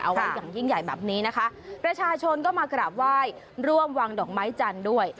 เอาไว้อย่างยิ่งใหญ่แบบนี้นะคะประชาชนก็มากราบไหว้ร่วมวางดอกไม้จันทร์ด้วย